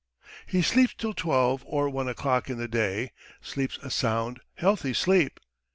He sleeps till twelve or one o'clock in the day, sleeps a sound, healthy sleep.